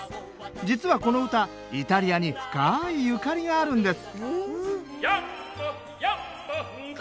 実はこの歌イタリアに深いゆかりがあるんです